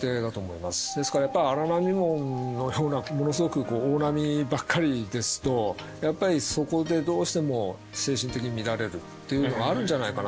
ですからやっぱり荒波紋のようなこうものすごく大波ばっかりですとやっぱりそこでどうしても精神的に乱れるっていうのがあるんじゃないかなと思うんですね。